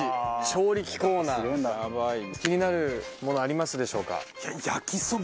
気になるものありますでしょうか？